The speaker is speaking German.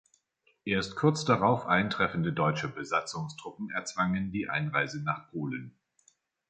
Erst kurz darauf eintreffende deutsche Besatzungstruppen erzwangen die Einreise nach Polen.